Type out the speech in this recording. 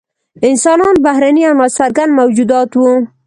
انسانان بهرني او نا څرګند موجودات وو.